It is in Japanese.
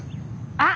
あっ！